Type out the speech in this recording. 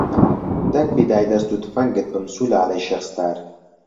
دەک فیدای دەست و تفەنگت بم سولالەی شێخ ستار